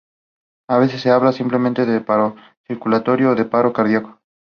A veces, se habla simplemente de paro circulatorio o de paro cardíaco.